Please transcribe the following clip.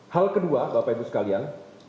hal kedua bapak ibu sekalian